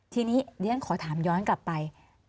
ทีนี้เรียนขอถามย้อนกลับไป